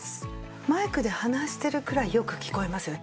マイクで話しているくらいよく聞こえますよね。